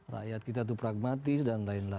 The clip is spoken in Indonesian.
rakyat kita itu pragmatis dan lain lain